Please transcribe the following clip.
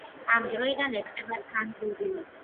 ამ დროიდან ეწყებათ განგური.